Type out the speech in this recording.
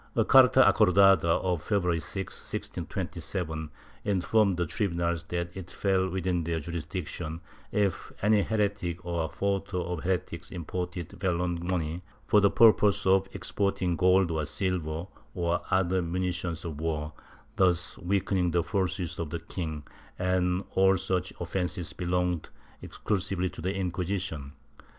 A carta acordada of February 6, 1627, informed the tribunals that it fell within their jurisdiction if any heretic or fautor of heretics imported vellon money for the purpose of exporting gold or silver or other munitions of war, thus weakening the forces of the king, and all such offences belonged exclusively to the Inquisition.